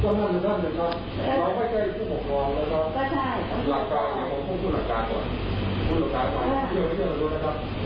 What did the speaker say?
อเจมส์ก็นั่นนั่นเด็กก่อนแล้วไว้ใกล้ที่ผมรองแล้วก็หลักการก็ต้องคุ้นหลักการก่อนคุ้นหลักการก่อนเรื่องไม่เท่านั้นด้วยนะครับ